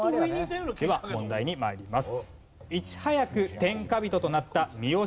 では問題に参ります。